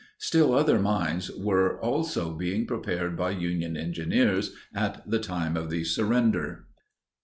Still other mines were also being prepared by Union engineers at the time of the surrender.